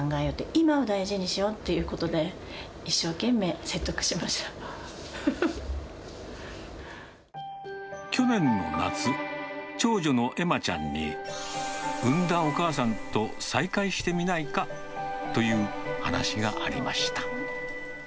今を大事にしようっていうことで、去年の夏、長女のえまちゃんに、産んだお母さんと再会してみないかという話がありました。